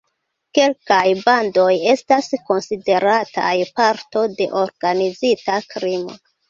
Kelkaj bandoj estas konsiderataj parto de organizita krimo.